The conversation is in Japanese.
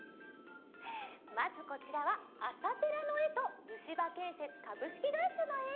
まずこちらは「あさペラ！」のえと「虫歯建設株式会社」のえ！